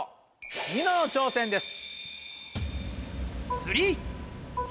ニノの挑戦です。